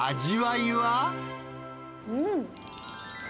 うん。